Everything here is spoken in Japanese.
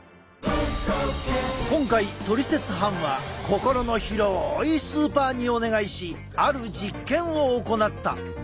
今回トリセツ班は心の広いスーパーにお願いしある実験を行った。